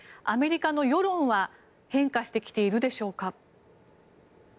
アメリカの世論は変化してきているでしょうか。